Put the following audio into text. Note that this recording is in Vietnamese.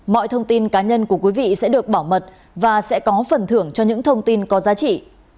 mọi thông tin cá nhân của quý vị sẽ được bảo mật và sẽ có phần thưởng cho những thông tin có giá trị